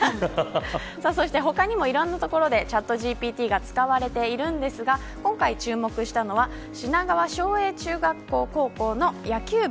そして他にもいろんな所でチャットＧＰＴが使われているんですが今回注目したのは品川翔英中学校・高校の野球部。